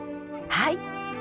はい！